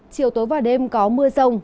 chiều tối và đêm có mưa rông